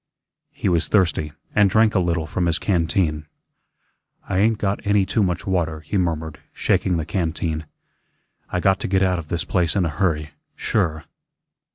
He was thirsty, and drank a little from his canteen. "I ain't got any too much water," he murmured, shaking the canteen. "I got to get out of this place in a hurry, sure."